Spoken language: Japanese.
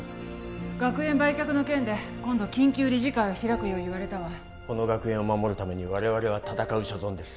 学園売却の件で今度緊急理事会を開くよう言われたわこの学園を守るために我々は闘う所存です